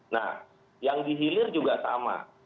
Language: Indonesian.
nah yang dihilir juga sama